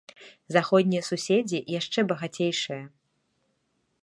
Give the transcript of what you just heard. Заходнія суседзі яшчэ багацейшыя.